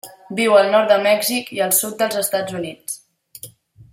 Viu al nord de Mèxic i el sud dels Estats Units.